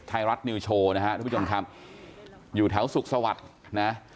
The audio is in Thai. ไทยรัฐนิวโชว์นะฮะทุกผู้ชมครับอยู่แถวสุขสวัสดิ์นะ